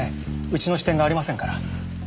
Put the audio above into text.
うちの支店がありませんから。